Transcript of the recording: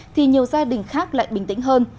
thì nhiều gia đình khác lại bình tĩnh hơn